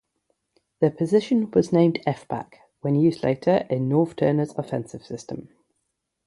The position was named F-back when used later in Norv Turner's offensive system.